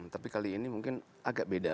tapi kali ini mungkin agak beda